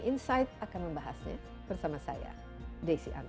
insight akan membahasnya bersama saya desi anwar